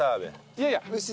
いやいや。